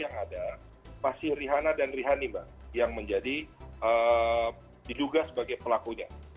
yang ada masih rihana dan rihani mbak yang menjadi diduga sebagai pelakunya